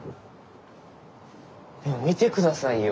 もう見て下さいよ。